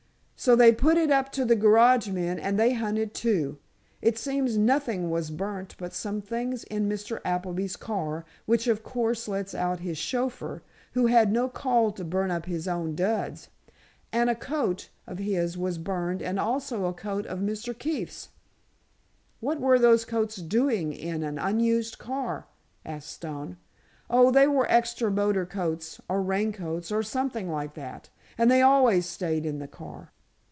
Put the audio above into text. So, they put it up to the garage men, and they hunted, too. It seems nothing was burnt but some things in Mr. Appleby's car, which, of course, lets out his chauffeur, who had no call to burn up his own duds. And a coat of his was burned and also a coat of Mr. Keefe's." "What were those coats doing in an unused car?" asked Stone. "Oh, they were extra motor coats, or raincoats, or something like that, and they always staid in the car."